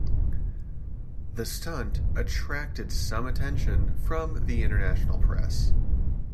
The stunt attracted some attention from the international press.